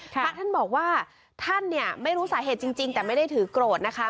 พระท่านบอกว่าท่านเนี่ยไม่รู้สาเหตุจริงแต่ไม่ได้ถือโกรธนะคะ